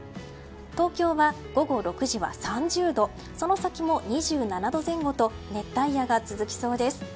東京は午後６時は３０度その先も２７度前後と熱帯夜が続きそうです。